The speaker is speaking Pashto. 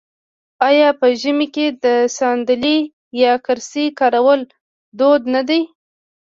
آیا په ژمي کې د ساندلۍ یا کرسۍ کارول دود نه دی؟